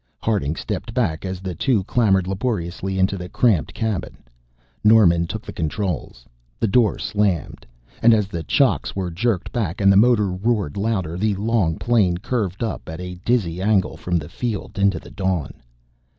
Harding stepped back as the two clambered laboriously into the cramped cabin. Norman took the controls, the door slammed, and as the chocks were jerked back and the motor roared louder the long plane curved up at a dizzy angle from the field into the dawn.